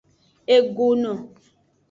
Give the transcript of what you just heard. Egono.